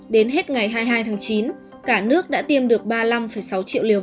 đến hết ngày hai mươi hai tháng chín cả nước đã tiêm được ba mươi năm sáu triệu liều vaccine